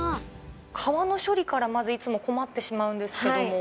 皮の処理からまず、いつも困ってしまうんですけども。